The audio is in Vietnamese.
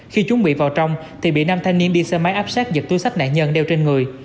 khi chuẩn bị vào trong thì bị năm thanh niên đi xe máy áp sát giật túi sách nạn nhân đeo trên người